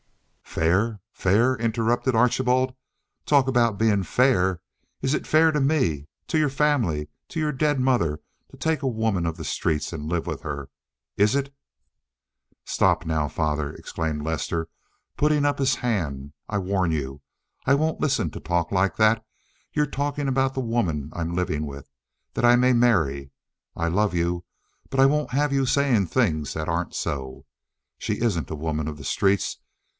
"Fair! Fair!" interrupted Archibald. "Talk about being fair. Is it fair to me, to your family, to your dead mother to take a woman of the streets and live with her? Is it—" "Stop now, father," exclaimed Lester, putting up his hand. "I warn you. I won't listen to talk like that. You're talking about the woman that I'm living with—that I may marry. I love you, but I won't have you saying things that aren't so. She isn't a woman of the streets.